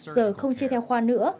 giờ không chia theo khoa nữa